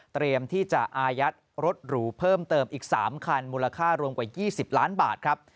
เตรียมที่จะอายัดรถหรูเพิ่มเติมอีก๓คันมูลค่ารวมกว่า๒๐ล้านบาทครับ